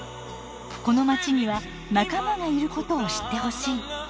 このまちには仲間がいることを知ってほしい。